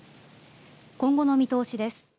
今後の見通しです。